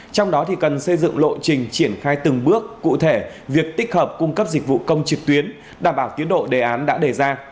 trong đó cần xây dựng lộ trình triển khai từng bước cụ thể việc tích hợp cung cấp dịch vụ công trực tuyến đảm bảo tiến độ đề án đã đề ra